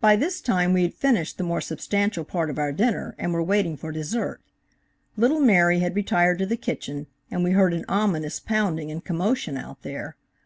By this time we had finished the more substantial part of our dinner, and were waiting for dessert. Little Mary had retired to the kitchen, and we heard an ominous pounding and commotion out there.